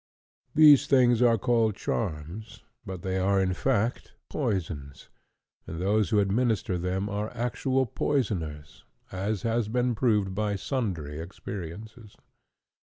These things are called charms, but they are in fact poisons: and those who administer them are actual poisoners, as has been proved by sundry experiences.